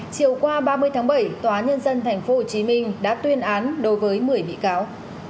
chiều qua ba mươi tháng bảy tòa nhân dân tp hcm đã tuyên án đối với một mươi bị cáo